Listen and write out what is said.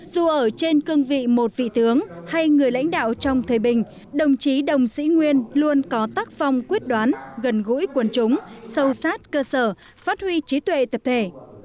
dù ở trên cương vị một vị tướng hay người lãnh đạo trong thời bình đồng chí đồng sĩ nguyên luôn có tác phong quyết đoán gần gũi quần chúng sâu sát cơ sở phát huy trí tuệ tập thể